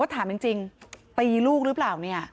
ถามจริงตีลูกหรือเปล่า